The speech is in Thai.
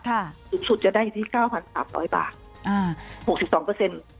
ถึงสุดจะได้อยู่ที่๙๓๐๐บาท